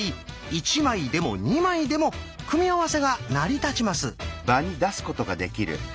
１枚でも２枚でも組み合わせが成り立ちます。